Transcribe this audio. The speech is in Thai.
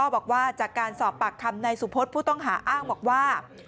บอกว่าจากการสอบปากคำนายสุพศผู้ต้องหาอ้างบอกว่า